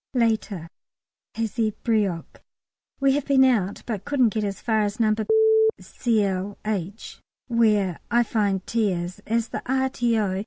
Later. Hazebrouck. We have been out, but couldn't get as far as No. Cl. H. (where I find T. is), as the R.T.O.